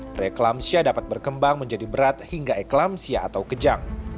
preeklampsia dapat berkembang menjadi berat hingga eklampsia atau kejang